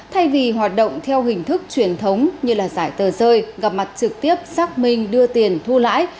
thay vì hoạt động theo hình thức truyền thống như giải tờ rơi gặp mặt trực tiếp xác minh đưa tiền thu lãi